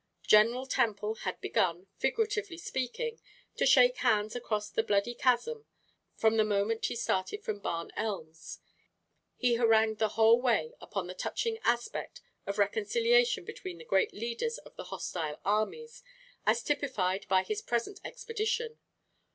General Temple had begun, figuratively speaking, to shake hands across the bloody chasm from the moment he started from Barn Elms. He harangued the whole way upon the touching aspect of the reconciliation between the great leaders of the hostile armies, as typified by his present expedition.